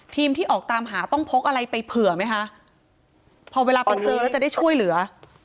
ที่ออกตามหาต้องพกอะไรไปเผื่อไหมคะพอเวลาไปเจอแล้วจะได้ช่วยเหลือ